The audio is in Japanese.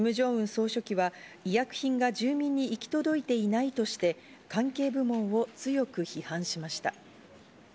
総書記は医薬品が住民に行き届いていないとして、関係部門を強く批判しました。